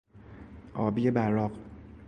آبی براق